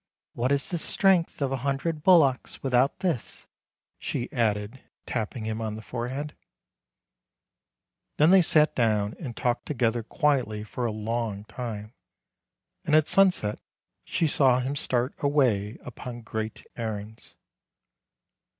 What is the strength of a hundred bullocks without this ?" she added, tapping him on the forehead. PLACE CALLED PERADVENTURE 329 Then they sat down and talked together quietly for a long time, and at sunset she saw him start away upon great errands.